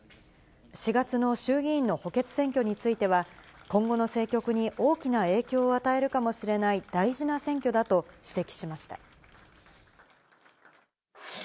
４月の衆議院の補欠選挙については、今後の政局に大きな影響を与えるかもしれない大事な選挙だと指摘